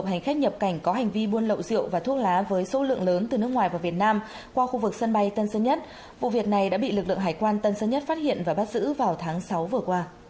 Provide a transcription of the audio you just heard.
các bạn hãy đăng ký kênh để ủng hộ kênh của chúng mình nhé